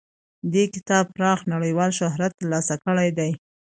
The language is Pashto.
دې کتاب پراخ نړیوال شهرت ترلاسه کړی دی.